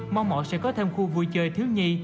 mong mỏi sẽ có thêm khu vui chơi thiếu nhi